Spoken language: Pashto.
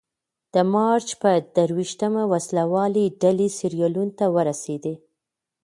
د مارچ په درویشتمه وسله والې ډلې سیریلیون ته ورسېدې.